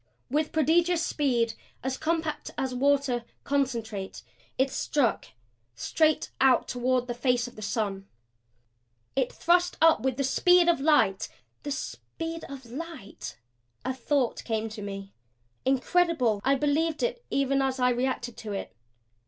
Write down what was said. With prodigious speed, as compact as water, CONCENTRATE, it struck straight out toward the face of the sun. It thrust up with the speed of light the speed of light? A thought came to me; incredible I believed it even as I reacted to it.